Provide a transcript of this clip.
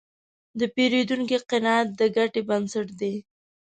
د پیرودونکي قناعت د ګټې بنسټ دی.